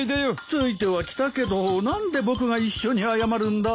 付いてはきたけど何で僕が一緒に謝るんだ？